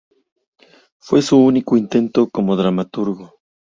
Fue su único intento como dramaturgo.